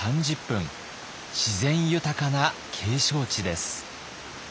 自然豊かな景勝地です。